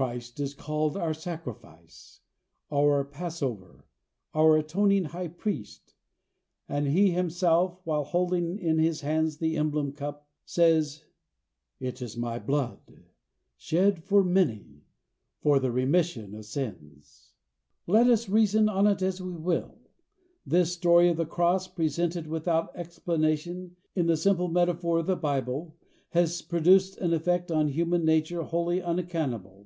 Christ is called our sacrifice, our passover, our atoning high priest; and he himself, while holding in his hands the emblem cup, says, "It is my blood, shed for many, for the remission of sins." Let us reason on it as we will, this story of the cross, presented without explanation in the simple metaphor of the Bible, has produced an effect on human nature wholly unaccountable.